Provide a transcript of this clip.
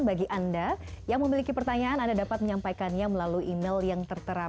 pemirsa jalan kemana mana